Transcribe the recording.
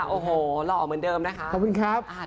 โอ้โหหล่อเหมือนเดิมนะคะขอบคุณครับ